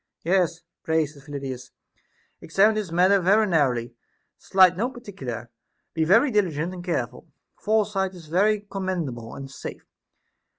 Yes, pray, said Phyllidas, examine this matter very narrowly ; slight no particular, be very diligent and careful, foresight is very commendable and safe.